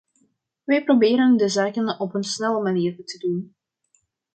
Wij proberen de zaken op een snelle manier te doen.